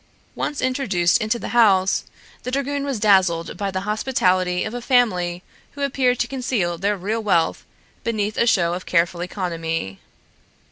Once introduced into the house, the dragoon was dazzled by the hospitality of a family who appeared to conceal their real wealth beneath a show of careful economy.